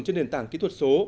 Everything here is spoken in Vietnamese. trên nền tảng kỹ thuật số